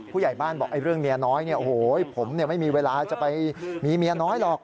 ผู้ใหญ่บ้านบอกเรื่องเมียน้อยเนี่ยโอ้โหผมไม่มีเวลาจะไปมีเมียน้อยหรอก